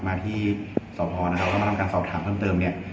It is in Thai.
มาที่สพนะครับแล้วมาทำการสอบถามเพิ่มเติมเนี่ย